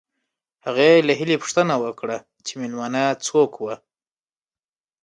هغې له هیلې پوښتنه وکړه چې مېلمانه څوک وو